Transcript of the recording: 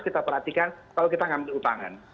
kita perhatikan kalau kita nggak butuh utangan